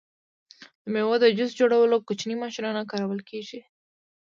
د میوو د جوس جوړولو کوچنۍ ماشینونه کارول کیږي.